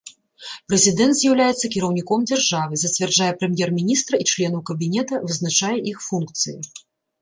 Прэзідэнт з'яўляецца кіраўніком дзяржавы, зацвярджае прэм'ер-міністра і членаў кабінета, вызначае іх функцыі.